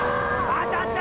当たった！